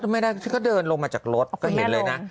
ไม่ได้ฉันก็เดินลงมาจากรถก็เห็นเลยนะ